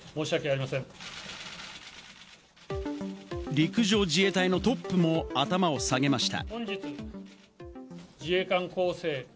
陸上自衛隊のトップも頭を下げました。